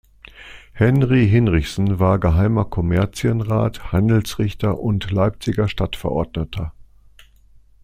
Henri Hinrichsen war Geheimer Kommerzienrat, Handelsrichter und Leipziger Stadtverordneter.